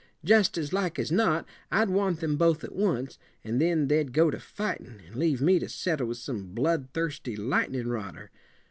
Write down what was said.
Just as like as not I'd want them both at once, and then they'd go to fighting, and leave me to settle with some bloodthirsty lightnin' rodder.